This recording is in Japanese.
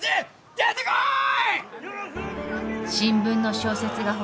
出てこい！